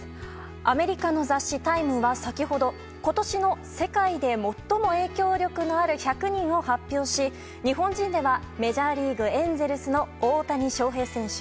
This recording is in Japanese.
アメリカの雑誌「タイム」は先ほど今年の世界で最も影響力のある１００人を発表し日本人ではメジャーリーグエンゼルスの大谷翔平選手